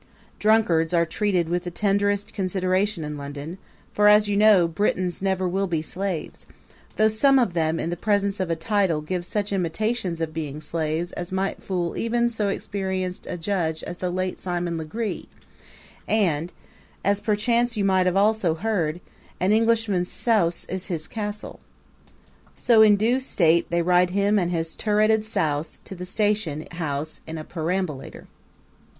Drunkards are treated with the tenderest consideration in London; for, as you know, Britons never will be slaves though some of them in the presence of a title give such imitations of being slaves as might fool even so experienced a judge as the late Simon Legree; and as perchance you may also have heard an Englishman's souse is his castle. So in due state they ride him and his turreted souse to the station house in a perambulator.